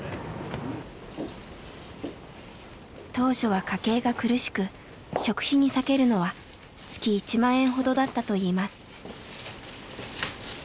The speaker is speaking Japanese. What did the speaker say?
当初は家計が苦しく食費に割けるのは月１万円ほどだったといいます。